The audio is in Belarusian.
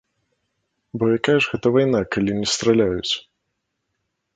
Бо якая ж гэта вайна, калі не страляць?!